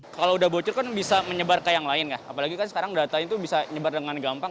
kalau udah bocor kan bisa menyebar ke yang lain apalagi kan sekarang data itu bisa nyebar dengan gampang